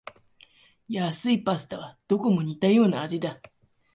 安いパスタはどこも似たような味だ